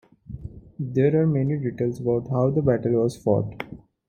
There are many details about how the battle was fought.